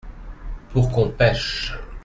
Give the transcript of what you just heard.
Pour qu’on pêche.